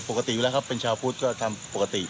ปกติอยู่แล้วครับเป็นชาวพุทธก็ทำปกติ